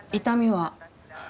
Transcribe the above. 痛みは？